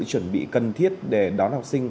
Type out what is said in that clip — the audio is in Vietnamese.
chuẩn bị cần thiết để đón học sinh